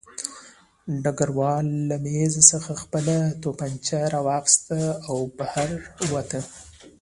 ډګروال له مېز څخه خپله توپانچه راواخیسته او بهر ووت